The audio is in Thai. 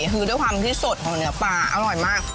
คือด้วยความที่สดของเนื้อปลาอร่อยมาก